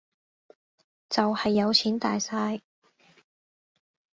就係有錢大晒